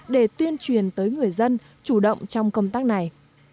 để tuyên truyền tới người dân chủ động trong công tác này